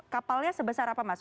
kapalnya sebesar apa mas